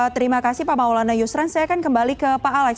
terima kasih pak maulana yusran saya akan kembali ke pak alex